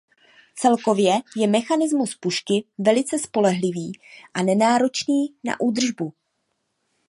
Celkově je mechanismus pušky velice spolehlivý a nenáročný na údržbu.